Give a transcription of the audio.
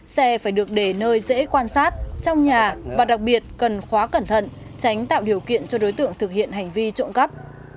xe phải được để nơi dễ quan sát trong nhà và đặc biệt cần khóa cẩn thận tránh tạo điều kiện cho đối tượng thực hiện hành vi trộm cắp